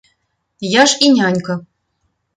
Я ж і нянька.